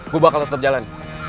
gue bakal tetap jalan